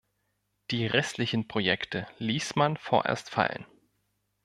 Die restlichen Projekte ließ man vorerst fallen.